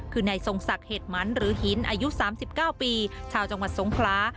คือนายทรงศักดิ์เหตุมันหรือหินอายุ๓๙ปีชาวจังหวัดสงคลา